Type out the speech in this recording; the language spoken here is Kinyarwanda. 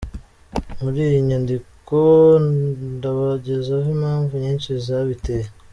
Muri iyi nyandiko ndabagezaho impamvu nyinshi zabiteye.